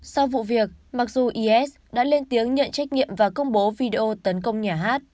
sau vụ việc mặc dù is đã lên tiếng nhận trách nhiệm và công bố video tấn công nhà hát